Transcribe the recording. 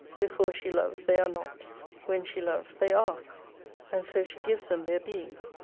Before she loves they are not, when she loves they are. And so she gives them their being.